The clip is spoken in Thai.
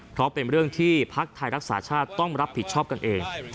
เพราะเป็นเรื่องที่ภักดิ์ไทยรักษาชาติต้องรับผิดชอบกันเอง